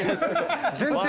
全然。